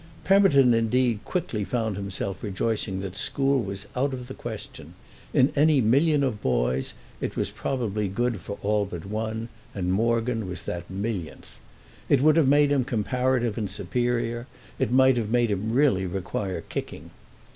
Pemberton indeed quickly found himself rejoicing that school was out of the question: in any million of boys it was probably good for all but one, and Morgan was that millionth. It would have made him comparative and superior—it might have made him really require kicking.